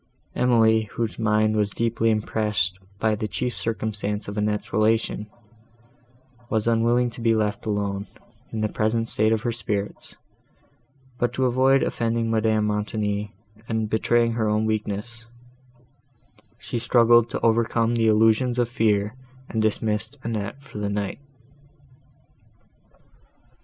—Emily, whose mind was deeply impressed by the chief circumstance of Annette's relation, was unwilling to be left alone, in the present state of her spirits; but, to avoid offending Madame Montoni, and betraying her own weakness, she struggled to overcome the illusions of fear, and dismissed Annette for the night.